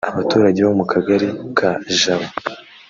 Abaturage bo mu kagari ka Jaba